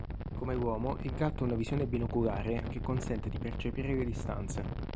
Come l'uomo, il gatto ha una visione binoculare che consente di percepire le distanze.